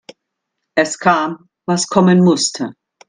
Es kam, was kommen musste.